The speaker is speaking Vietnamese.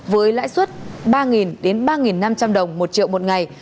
với lãi suất ba đến ba năm trăm linh đồng một triệu một ngày